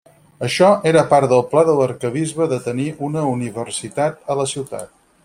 Això era part del pla de l'arquebisbe de tenir una universitat a la ciutat.